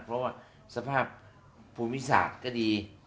เพราะว่าสภาพภูมิศาสตร์ก็ดี